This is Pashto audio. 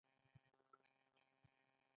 زده کوونکي دې د ورکړ شوې نقشي څخه ګټه واخلي.